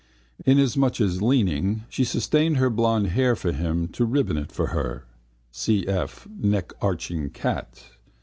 Inasmuch as leaning she sustained her blond hair for him to ribbon it for her (cf neckarching cat).